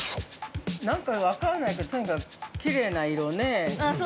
◆何か分からないけど、とにかくきれいな色ね。